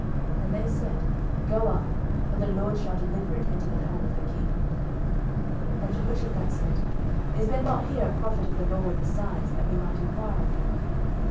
And they said, Go up; for the LORD shall deliver it into the hand of the king. 11:022:007 And Jehoshaphat said, Is there not here a prophet of the LORD besides, that we might enquire of him?